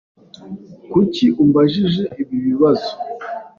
Kuki umbajije ibi bibazo?